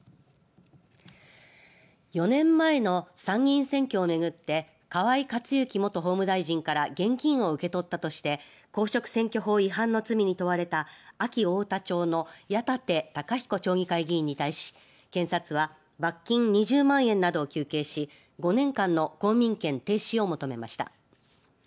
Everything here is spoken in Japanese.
４年前の参議院選挙を巡って河井克行元法務大臣から現金を受け取ったとして公職選挙法違反の罪に問われた安芸太田町の矢立孝彦町議会議員に対し検察は罰金２０万円などを求刑し５年間の公民権停止を求めました。